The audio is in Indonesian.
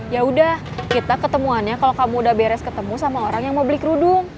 ya udah kita ketemuannya kalau kamu udah beres ketemu sama orang yang mau beli kerudung